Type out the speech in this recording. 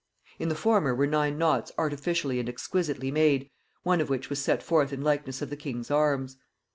In the former were nine knots artificially and exquisitely made, one of which was set forth in likeness of the king's arms.